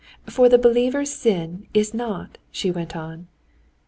"For the believer sin is not," she went on.